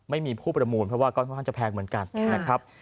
ไม่มีผู้ประมูลเพราะว่าก็ค่อนข้างจะแพงเหมือนกันนะครับ